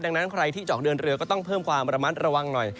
ดังนั้นใครที่จะออกเดินเรือก็ต้องเพิ่มความระมัดระวังหน่อย